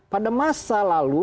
pada masa lalu